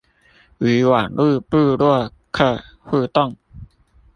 與網路部落客互動